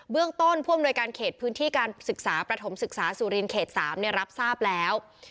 เรื่องต้นผู้อำนวยการเขตพื้นที่การศึกษาประถมศึกษาสุรินเขต๓รับทราบแล้ว